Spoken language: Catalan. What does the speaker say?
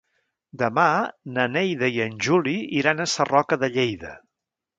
Demà na Neida i en Juli iran a Sarroca de Lleida.